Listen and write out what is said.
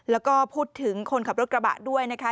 แล้วก็พูดถึงคนขับรถกระบะด้วยนะคะ